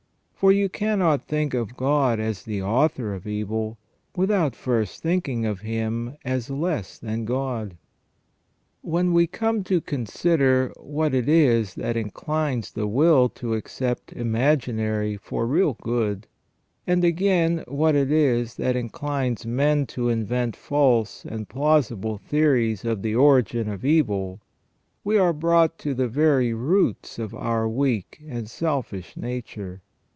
For you cannot think of God as the author of evil without first thinking of Him as less than God. When we come to consider what it is that inclines the will to accept imaginary for real good ; and again, what it is that inclines men to invent false and plausible theories of the origin of evil, we are brought to the very roots of our weak and selfish nature.